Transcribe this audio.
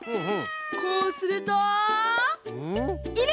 こうするといぬ！